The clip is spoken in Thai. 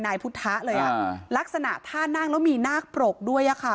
นายพุทธะเลยอ่ะลักษณะท่านั่งแล้วมีนาคปรกด้วยอะค่ะ